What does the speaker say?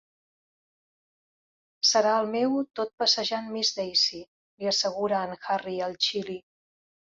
"Serà el meu 'Tot passejant Miss Daisy'," li assegura en Harry al Chili.